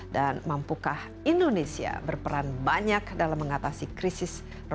dan mampukah indonesia berperan banyak dalam mengatasi krisis